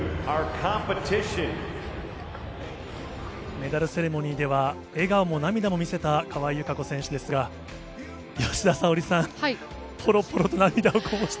メダルセレモニーでは、笑顔も涙も見せた川井友香子選手ですが、吉田沙保里さん、ぽろぽろと涙をこぼして。